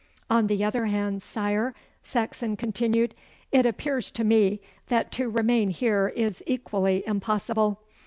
'On the other hand, sire,' Saxon continued, 'it appears to me that to remain here is equally impossible.